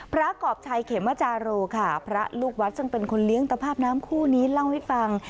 กรอบชัยเขมจาโรค่ะพระลูกวัดซึ่งเป็นคนเลี้ยงตภาพน้ำคู่นี้เล่าให้ฟัง